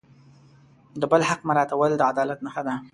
د بل حق مراعتول د عدالت نښه ده.